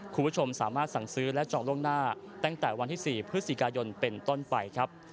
คุณผู้ชมสามารถสั่งซื้อและจองล่วงหน้าตั้งแต่วันที่๔พฤศจิกายนเป็นต้นไปครับ